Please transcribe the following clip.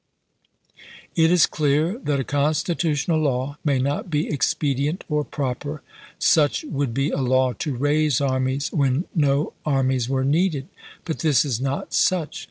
" It is clear that a constitutional law may not be expedient or proper. Such would be a law to raise armies when no armies were needed. But this is not such.